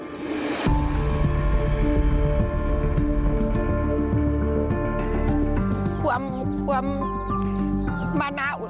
มันต้องกินแค่ไหนก็ต้องไปลูก